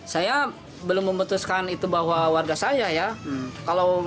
saya belum memutuskan itu bahwa warga saya ya